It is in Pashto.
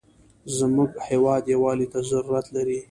زموږ هېواد یوالي ته ضرورت لري.